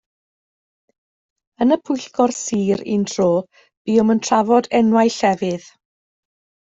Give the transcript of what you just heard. Yn y Pwyllgor Sir un tro buom yn trafod enwau llefydd.